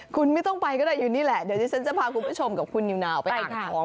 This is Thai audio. คุณไม่ต้องไปก็ได้อยู่นี่แหละเดี๋ยวที่ฉันจะพาคุณผู้ชมกับคุณนิวนาวไปอ่างทอง